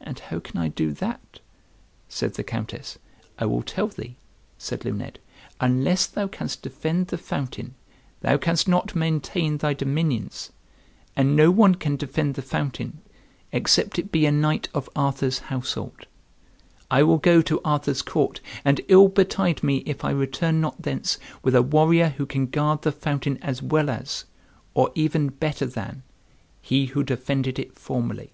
"And how can I do that?" said the Countess. "I will tell thee," said Luned; "unless thou canst defend the fountain, thou canst not maintain thy dominions; and no one can defend the fountain except it be a knight of Arthur's household. I will go to Arthur's court, and ill betide me if I return not thence with a warrior who can guard the fountain as well as, or even better than, he who defended it formerly."